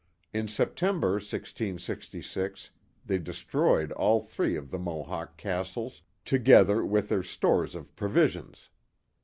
In Sep tember, 1666, they destroyed all three of the Mohawk castles, together with their stores of provisions.